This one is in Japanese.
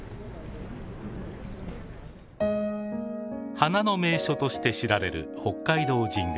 花の名所として知られる北海道神宮。